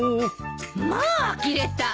まああきれた。